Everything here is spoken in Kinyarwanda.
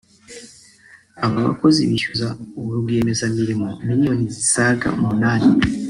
Aba bakozi bishyuza uwo rwiyemeza mirimo miriyoni zisaga umunani